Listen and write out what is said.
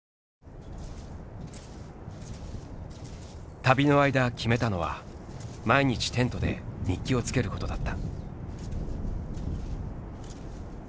旅の間決めたのは毎日テントで日記をつけることだった。